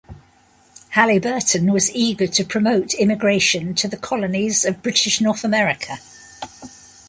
Haliburton was eager to promote immigration to the colonies of British North America.